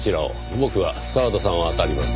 僕は澤田さんをあたります。